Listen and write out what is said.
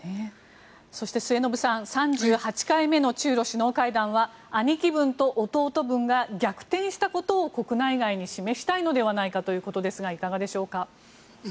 そして末延さん３８回目の中ロ首脳会談は兄貴分と弟分が逆転したことを国内外に示したいのではないかということですがいかがでしょうか。